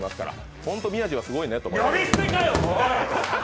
ホント、宮地はすごいねと思います